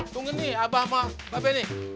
tunggu nih abah sama babe nih